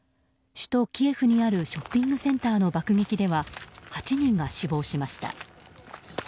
首都キエフにあるショッピングセンターの爆撃では８人が死亡しました。